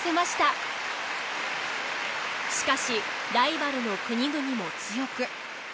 しかしライバルの国々も強く。